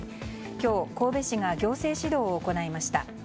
今日、神戸市が行政指導を行いました。